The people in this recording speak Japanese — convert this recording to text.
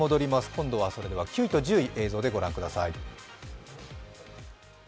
今度は９位と１０位、映像で御覧ください。